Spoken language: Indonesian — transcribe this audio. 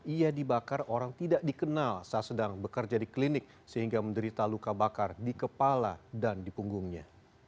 ia dibakar orang tidak dikenal saat sedang bekerja di klinik sehingga menderita luka bakar di kepala dan di punggungnya